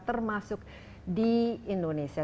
termasuk di indonesia